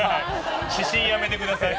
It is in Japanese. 私信やめてください。